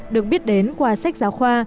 được biết đến qua sách giáo khoa